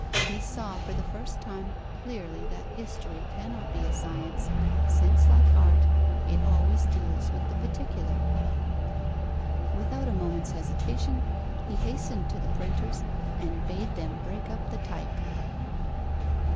He saw for the first time clearly that history cannot be a science, since, like art, it always deals with the particular. Without a moment's hesitation he hastened to the printers and bade them break up the type.